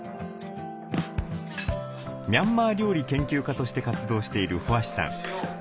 ミャンマー料理研究家として活動している保芦さん。